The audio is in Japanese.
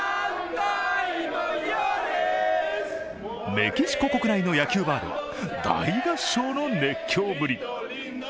メキシコ国内の野球バーでは大合唱の熱狂ぶり。